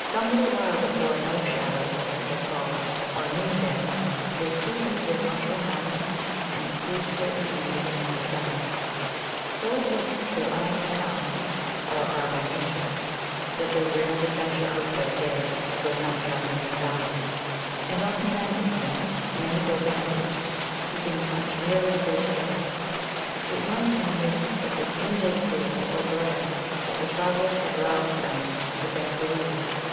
Some little while before "no shadow," as they call it, or noonday, they creep into their mushroom houses and sleep till evening begins to settle. So weak have their eyes become (or are, by nature) that they rarely venture out by day to go nut gathering in the valleys. And often then, even, many go bandaged, keeping touch merely with their tails. It was in the midst of this noonday sleep or glare that the travellers had roused them with their halloo.